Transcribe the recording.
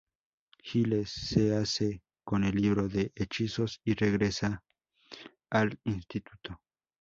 Giles se hace con el libro de hechizos y regresa al instituto.